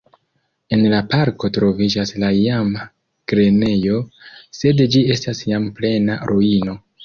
En la parko troviĝas la iama grenejo, sed ĝi estas jam plena ruino.